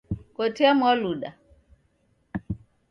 Kotea Mwaluda